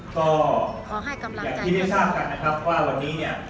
ก็อยากที่ได้ทราบกันนะครับว่าวันนี้เนี่ย